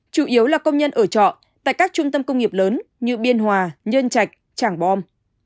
chủ yếu là công nhân ở trọ tại các trung tâm công nghiệp lớn như biên hòa nhơn trạch bom